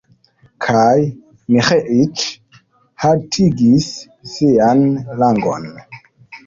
Kaj Miĥeiĉ haltigis sian langon.